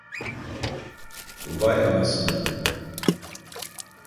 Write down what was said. Vay anasını.